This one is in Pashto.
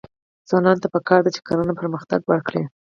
ځوانانو ته پکار ده چې، کرنه پرمختګ ورکړي.